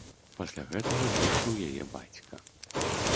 Пасля гэтага выйшаў яе бацька.